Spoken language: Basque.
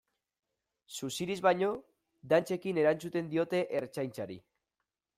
Suziriz baino, dantzekin erantzuten diote Ertzaintzari.